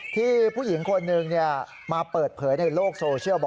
ผู้หญิงคนหนึ่งมาเปิดเผยในโลกโซเชียล